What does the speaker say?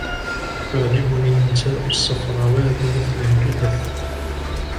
تعجبني النساء الصفروات مثل الجثث.